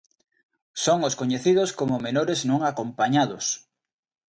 Son os coñecidos como menores non acompañados.